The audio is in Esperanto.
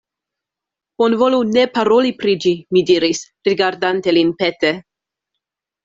Bonvolu ne paroli pri ĝi, mi diris, rigardante lin pete.